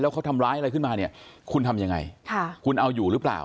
แล้วเขาทำร้ายอะไรขึ้นมาคุณทำอย่างไรคุณเอาอยู่หรือเปล่า